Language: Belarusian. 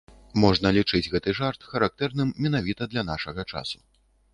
Можна лічыць гэты жарт характэрным менавіта для нашага часу.